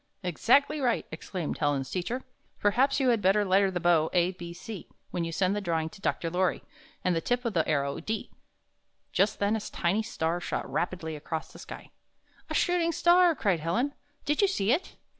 ''Exactly right!" exclaimed Helen's teacher. "Perhaps you had better letter the bow, a, b, c, when you send the drawing to Dr. Lorry, and the tip of the arrow, d." Just then a tiny star shot rapidly across tlie sky. "A shooting star!" cried Helen. "Did you see it?"